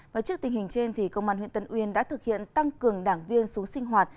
và trước tình hình trên thì công an huyện tân uyên đã thực hiện tăng cường đảng viên xuống sinh hoạt